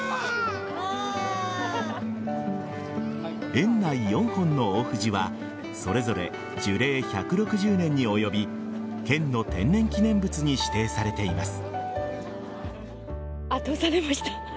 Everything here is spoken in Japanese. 園内４本の大藤はそれぞれ樹齢１６０年に及び県の天然記念物に指定されています。